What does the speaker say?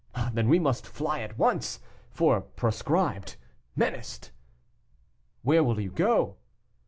"Then we must fly at once, for proscribed, menaced " "Where will you go?"